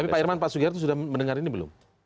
pak irman dan pak sugiharto sudah mendengar ini belum